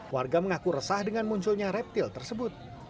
warga mengaku resah dengan munculnya reptil tersebut